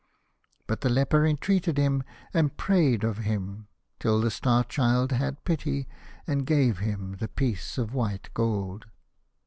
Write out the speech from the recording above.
But the leper entreated him, and prayed of him, till the Star Child had pity, and gave him the piece of white gold.